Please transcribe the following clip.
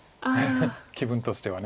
気分としては。